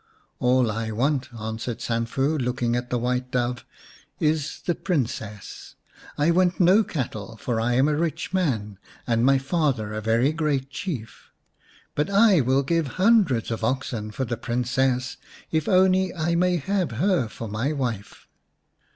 " All I want," answered Sanfu, looking at the White Dove, " is the Princess. I want no cattle, for I am a rich man, and my father a very great Chief. But I will give hundreds of oxen for the Princess if only I may have her for my wife."